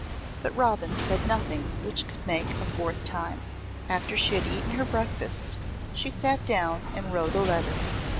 But Robin said nothing which could make a fourth time. After she had eaten her breakfast she sat down and wrote a letter.